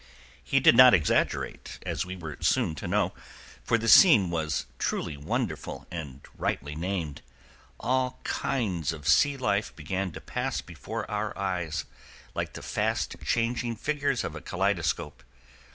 He did not exaggerate, as we were soon to know, for the scene was truly wonderful, and rightly named. All kinds of sea life began to pass before our eyes, like the fast changing figures of a kaleidoscope.